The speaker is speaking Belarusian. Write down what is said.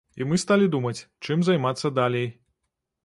І мы сталі думаць, чым займацца далей.